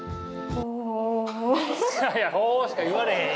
「ほお」しか言われへんやん！